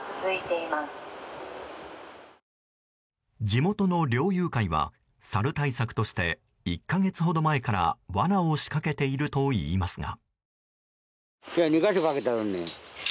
地元の猟友会はサル対策として１か月ほど前から罠を仕掛けているといいますが。